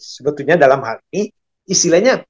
sebetulnya dalam hati istilahnya